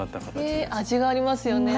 味がありますよね。